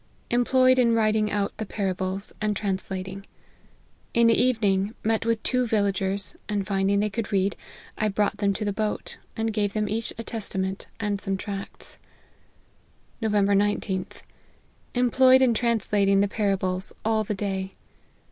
Employed in writing out the parables, and translating. In the evening met with two villagers, and finding they could read, I brought them to the boat, and gave them each a Testament, and some tracts." " Nov . 19l/i. Employed in translating the para bles, all the day.